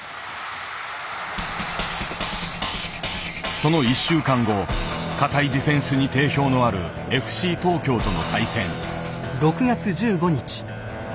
その１週間後堅いディフェンスに定評のあるＦＣ東京との対戦。